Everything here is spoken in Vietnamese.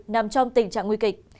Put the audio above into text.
nằm trong tình trạng nguy kịch